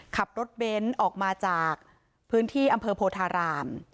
ขับรถเบนท์ออกมาจากพื้นที่อำเภอโพธาราม